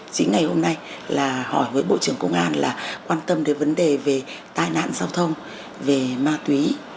chính ngày hôm nay là hỏi với bộ trưởng công an là quan tâm đến vấn đề về tai nạn giao thông về ma túy